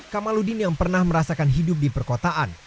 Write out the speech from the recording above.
kamaludin yang pernah merasakan hidup di perkotaan